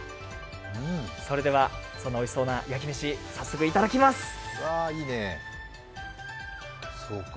それでは、そのおいしそうなやきめし、早速頂きます。